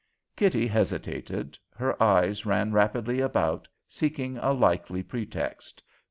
Kitty hesitated. Her eyes ran rapidly about, seeking a likely pretext.